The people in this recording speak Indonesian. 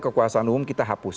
kekuasaan umum kita hapus